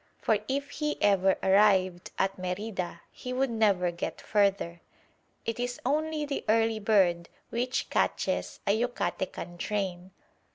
For if he ever arrived at Merida he would never get further. It is only the early bird which catches a Yucatecan train.